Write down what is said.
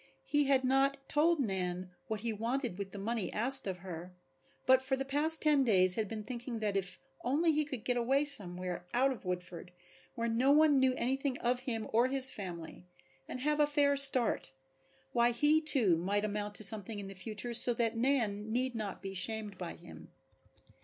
He had not told Nan what he wanted with the money asked of her, but for the past ten days had been thinking that if only he could get away somewhere out of Woodford, where no one knew anything of him or his family, and have a fair start, why he too might amount to something in the future so that Nan need not be shamed by him.